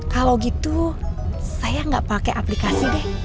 kalau gitu saya nggak pakai aplikasi deh